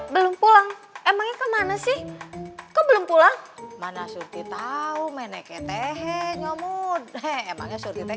belum pulang emangnya kemana sih belum pulang mana suti tahu meneketeh